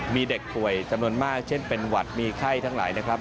มีเด็กป่วยจำนวนมากเช่นเป็นหวัดมีไข้ทั้งหลายนะครับ